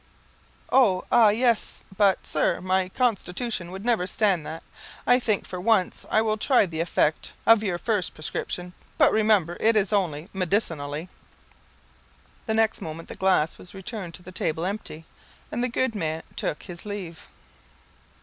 "Oh, ah, yes. But, Sir, my constitution would never stand that. I think for once I will try the effect of your first prescription; but, remember, it is only medicinally." The next moment the glass was returned to the table empty, and the good man took his leave.